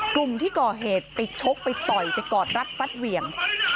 กลุ่มที่ก่อเหตุไปชกไปต่อยไปกอดรัดฟัดเหวี่ยง